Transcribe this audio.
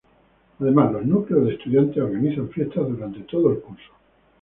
Además, los núcleos de estudiantes organizan fiestas durante todo el curso.